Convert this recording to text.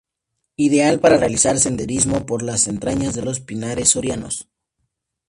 Ideal para realizar senderismo por las entrañas de los pinares sorianos.